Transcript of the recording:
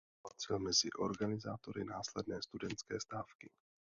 Patřil mezi organizátory následné studentské stávky.